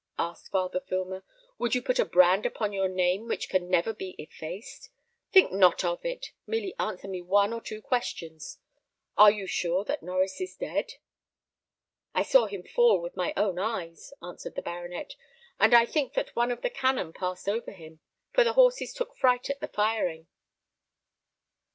asked Father Filmer; "would you put a brand upon your name which can never be effaced? Think not of it; merely answer me one or two questions. Are you sure that Norries is dead?" "I saw him fall with my own eyes," answered the baronet; "and I think that one of the cannon passed over him, for the horses took fright at the firing."